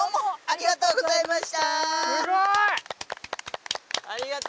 ありがとうございます。